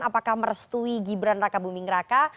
apakah merestui gibran raka buming raka